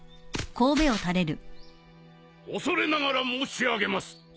恐れながら申し上げます。